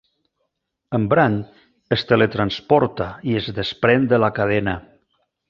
En Brand es teletransporta i es desprèn de la cadena.